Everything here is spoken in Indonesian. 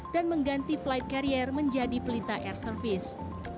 dan mengganti flight carrier menjadi pelita air service